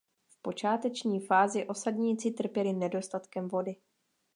V počáteční fázi osadníci trpěli nedostatkem vody.